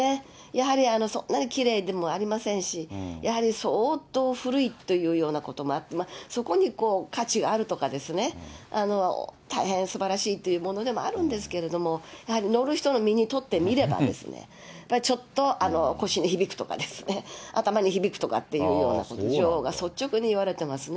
やはり、そんなにきれいでもありませんし、やはり相当古いというようなこともあって、そこに価値があるとかですね、大変すばらしいというものでもあるんですけど、やはり乗る人の身にとってみればですね、ちょっと腰に響くとかですね、頭に響くとかっていうような特徴が率直にいわれてますね。